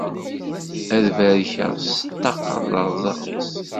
Ad barkeɣ s ṭṭaqa lerẓaq-is.